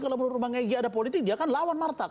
kalau menurut bang egy ada politik dia kan lawan martak